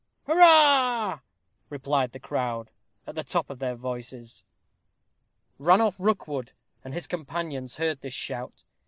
"Hurrah!" replied the crowd, at the top of their voices. Ranulph Rookwood and his companions heard this shout.